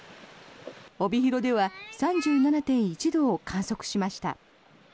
帯広では３７．１度を観測しました。